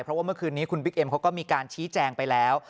เพราะว่าเมื่อคืนนี้คุณบิ๊กเอ็มเขาก็มีการชี้แจงไปแล้ว